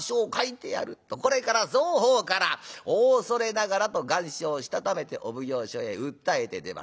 これから双方から「おおそれながら」と願書をしたためてお奉行所へ訴えて出ます。